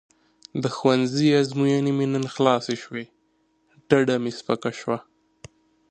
د ښوونځي ازموینې مو نن خلاصې شوې ډډه مې سپکه شوه.